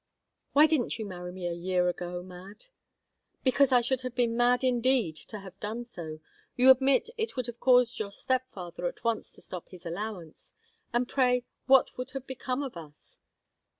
"Why didn't you marry me a year ago, Mad?" "Because I should have been mad indeed to have done so. You admit it would have caused your step father at once to stop his allowance. And pray what would have become of us?"